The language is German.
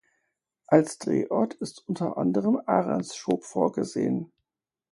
Als Drehort ist unter anderem Ahrenshoop vorgesehen.